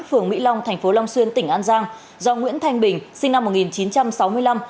phường mỹ long thành phố long xuyên tỉnh an giang do nguyễn thanh bình sinh năm một nghìn chín trăm sáu mươi năm